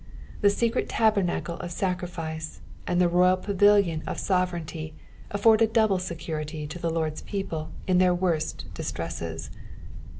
The secret tabernacle of sacriflce, and tne royal pavilion ot sovereignty afford a double security^ to the Lord'n people in their worst dis tresses.